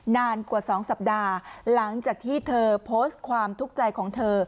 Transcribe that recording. นานกว่า๒สัปดาห์หลังจากที่เธอโพสต์ความทุกข์ใจของเธอ